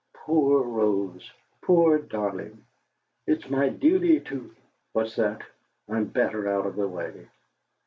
Poor Rose poor darling! It's my duty to What's that? I'm better out of the way.'